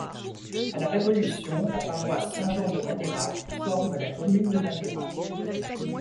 À la Révolution, la paroisse Saint-Jean de Madirac forme la commune de Madirac.